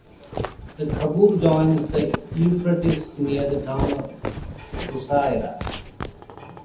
The Khabur joins the Euphrates near the town of Busayrah.